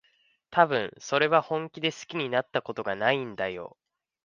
たぶん、それは本気で好きになったことがないんだよ。